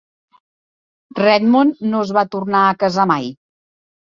Redmond no es va tornar a casar mai.